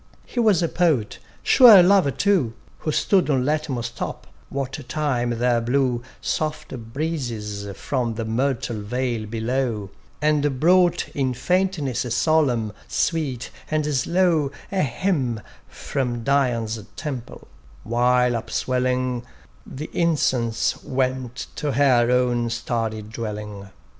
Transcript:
He was a Poet, sure a lover too, Who stood on Latmus' top, what time there blew Soft breezes from the myrtle vale below; And brought in faintness solemn, sweet, and slow A hymn from Dian's temple; while upswelling, The incence went to her own starry dwelling.